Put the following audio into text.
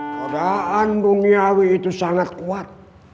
todaan duniawi itu sangat kuat